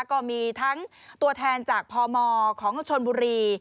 ก็มีทั้งตัวแทนจากพมของชนบุรี